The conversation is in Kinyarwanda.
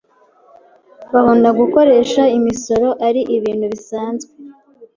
babona gukoresha imoso ari ibintu bisanzwe